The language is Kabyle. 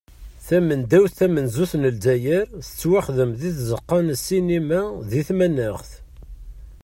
Tamendawt tamenzut n Lezzayer tettwaxdem di tzeqqa n sinima di tmanaɣt.